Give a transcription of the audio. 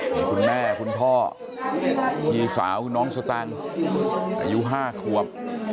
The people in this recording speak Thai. มีคุณแม่คุณพ่อมีสาวน้องสแตมอายุ๕ควบ